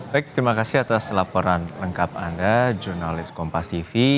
baik terima kasih atas laporan lengkap anda jurnalis kompas tv